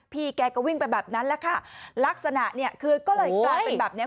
พี่แกก็วิ่งไปแบบนั้นแหละค่ะลักษณะเนี่ยคือก็เลยกลายเป็นแบบเนี้ย